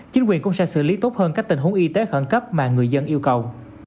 chính quyền cũng sẽ xử lý tốt hơn các tình huống y tế khẩn cấp mà người dân yêu cầu